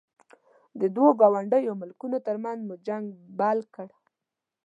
د دوو ګاونډیو ملکونو ترمنځ مو جنګ بل کړ.